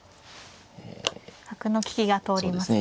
角の利きが通りますね。